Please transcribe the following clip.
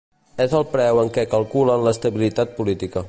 És el preu en què calculen l’estabilitat política.